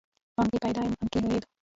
غم کې پیدا یم، غم کې لویېږم.